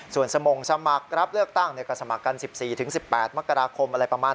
ส่วนสมงค์สมัครรับเลือกตั้งในการสมัครกัน๑๔๑๘มกราคม